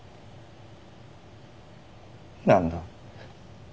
何だ？